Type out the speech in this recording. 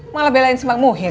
malah belain bang muhid